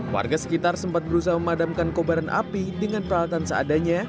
warga sekitar sempat berusaha memadamkan kobaran api dengan peralatan seadanya